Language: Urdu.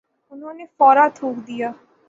انہوں نے فورا تھوک دیا ۔